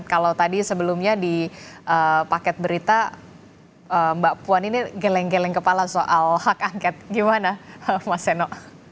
kalau tadi sebelumnya di paket berita mbak puan ini geleng geleng kepala soal hak angket gimana mas seno